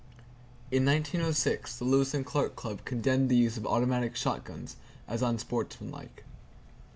[Page 384] In 1906 the Lewis and Clark Club condemned the use of automatic shotguns as unsportsmanlike.